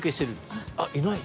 「あっいない。